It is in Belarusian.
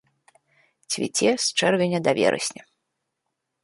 Цвіце з чэрвеня да верасня.